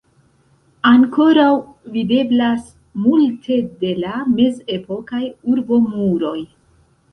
Ankoraŭ videblas multe de la mezepokaj urbomuroj.